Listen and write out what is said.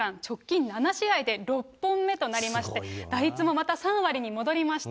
直近７試合で６本目となりまして、打率もまた３割に戻りました。